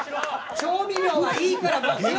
調味料はいいから！